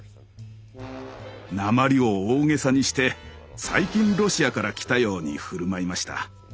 なまりを大げさにして最近ロシアから来たように振る舞いました。